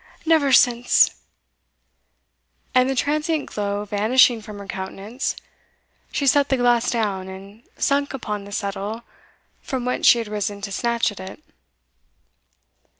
Never since" and the transient glow vanishing from her countenance, she set the glass down, and sunk upon the settle from whence she had risen to snatch at it.